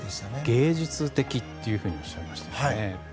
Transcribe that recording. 芸術的というふうにおっしゃいましたね。